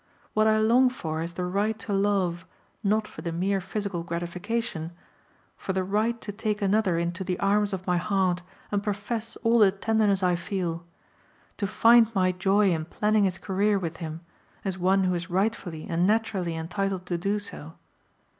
What I long for is the right to love, not for the mere physical gratification, for the right to take another into the arms of my heart and profess all the tenderness I feel, to find my joy in planning his career with him, as one who is rightfully and naturally entitled to do so.